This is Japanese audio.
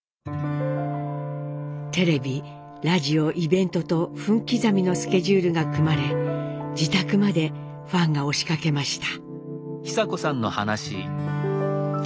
テレビラジオイベントと分刻みのスケジュールが組まれ自宅までファンが押しかけました。